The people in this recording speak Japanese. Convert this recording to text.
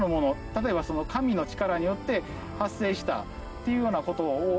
例えば、神の力によって発生したっていうような事を思う。